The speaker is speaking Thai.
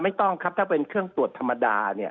ไม่ต้องครับถ้าเป็นเครื่องตรวจธรรมดาเนี่ย